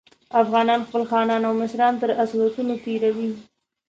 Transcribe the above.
افغانان خپل خانان او مشران تر اصالتونو تېروي.